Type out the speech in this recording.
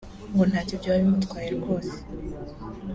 ngo ntacyo byaba bimutwaye rwose